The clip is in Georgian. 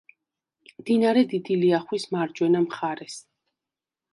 მდინარე დიდი ლიახვის მარჯვენა მხარეს.